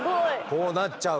こうなっちゃう？